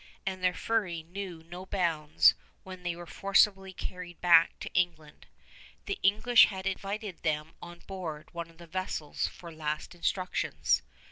And their fury knew no bounds when they were forcibly carried back to England. The English had invited them on board one of the vessels for last instructions.